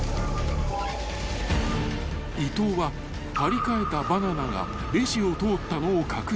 ［伊東は貼り替えたバナナがレジを通ったのを確認］